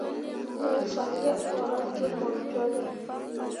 Mo woo fan yeɓ ɓo ra ge mor jolle.